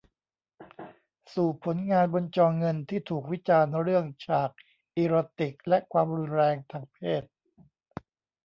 สู่ผลงานบนจอเงินที่ถูกวิจารณ์เรื่องฉากอีโรติกและความรุนแรงทางเพศ